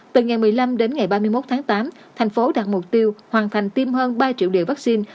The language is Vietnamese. từ ngày một mươi năm đến ngày ba mươi một tháng tám thành phố đạt mục tiêu hoàn thành tiêm hơn ba triệu liều vaccine